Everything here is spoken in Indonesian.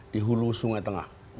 di hulu sungai tengah